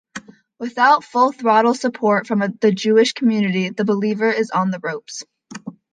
Without full-throttle support from the Jewish community, The Believer is on the ropes.